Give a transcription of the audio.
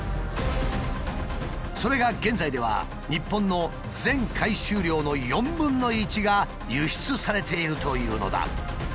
それが現在では日本の全回収量の４分の１が輸出されているというのだ。